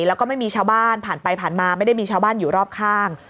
แล้วก็ไม่มีชาวบ้านผ่านไปผ่านมาไม่ได้มีชาวบ้านอยู่รอบข้าง